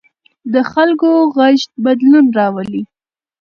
د خلکو غږ بدلون راولي